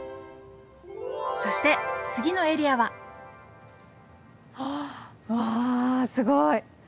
そして次のエリアはあっわすごい！